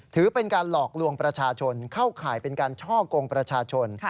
ถือเป็นการหลอกลวงประชาชนเข้าข่ายเป็นการช่อกงประชาชน